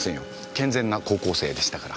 健全な高校生でしたから。